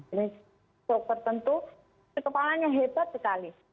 ini strok tertentu nyeri kepalanya hebat sekali